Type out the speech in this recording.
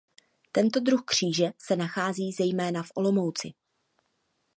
Tento druh kříže se nachází zejména v Olomouci.